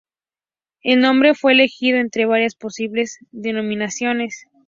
El nombre fue elegido entre varias posibles denominaciones.